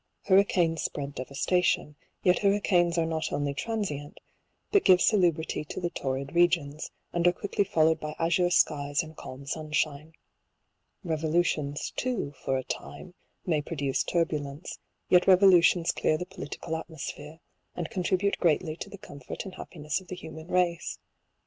Hurricanes spread devastation ; yet hurricanes are not only tran sient, but give salubrity to the torrid regions, and are quickly followed by azure skies and calm sun shine. Revolutions, too, for a time, may produce turbulence j yet revolutions clear the political atmosphere, and con tribute greatly to the comfort and happiness of the human race.